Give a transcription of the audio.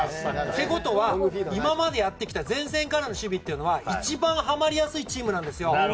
ということは、今までやってきた前線からの守備っていうのは一番はまりやすいチームなんです。